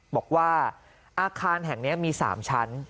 บอกว่าอาคารแห่งนี้มี๓ชั้น